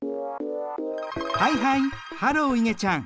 はいはいハローいげちゃん。